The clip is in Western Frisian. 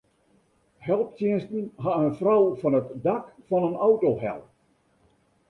Helptsjinsten ha in frou fan it dak fan in auto helle.